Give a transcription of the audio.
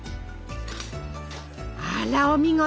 あらお見事！